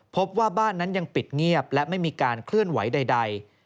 พบว่าบ้านนั้นยังปิดเงียบและไม่มีการเคลื่อนไหวใด